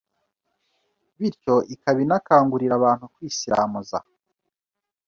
bityo ikaba inakangurira abantu kwisiramuza